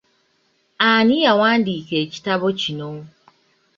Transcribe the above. Ani yawandiika ekitabo kino?